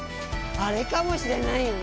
あれかもしれないよね。